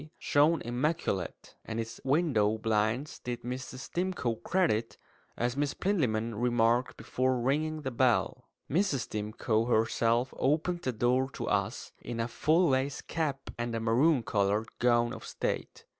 (Oxon.)" shone immaculate; and its window blinds did Mrs. Stimcoe credit, as Miss Plinlimmon remarked before ringing the bell. Mrs. Stimcoe herself opened the door to us, in a full lace cap and a maroon coloured gown of state.